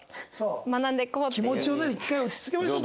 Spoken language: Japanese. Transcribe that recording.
気持ちをね１回落ち着けましょう。